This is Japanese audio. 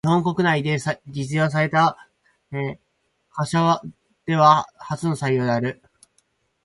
日本国内で実用された貨車では初の採用である。